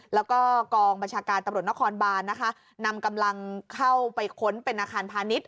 แล้วก็กองบัญชาการตำรวจนครบานนะคะนำกำลังเข้าไปค้นเป็นอาคารพาณิชย